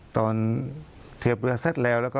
เทียบเรือเสร็จแล้ว